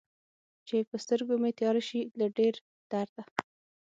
چې په سترګو مې تياره شي له ډېر درده